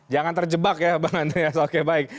jangan terjebak ya bang andreas